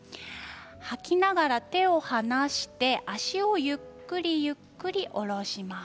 吐きながら手を離して足をゆっくりゆっくり下ろします。